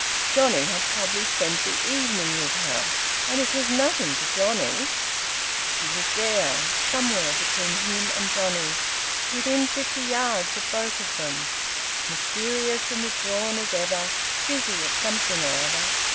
Johnnie had probably spent the evening with her; and it was nothing to Johnnie! She was there, somewhere between him and Johnnie, within fifty yards of both of them, mysterious and withdrawn as ever, busy at something or other.